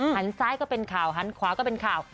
หันซ้ายก็เป็นข่าวหันขวาก็เป็นข่าว